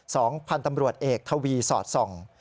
สองพันธ์ตำรวจเอกทวีสอดส่อง